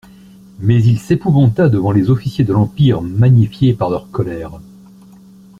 Mais il s'épouvanta devant les officiers de l'Empire magnifiés par leur colère.